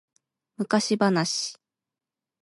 昔話